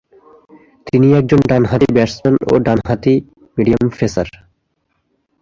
তিনি একজন ডানহাতি ব্যাটসম্যান ও ডানহাতি মিডিয়াম পেসার।